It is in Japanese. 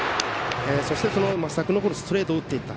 そして、その升田君のストレートを打っていった。